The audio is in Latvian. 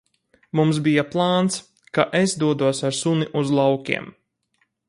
Mums bija plāns, ka es dodos ar suni uz laukiem.